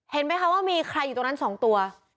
เห็นไหมคะว่ามีใครอยู่ตรงนั้น๒ตัว